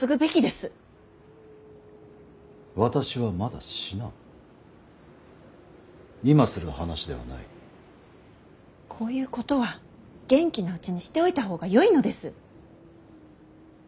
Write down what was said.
こういうことは元気なうちにしておいた方がよいのです。